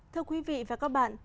thưa quý vị và các bạn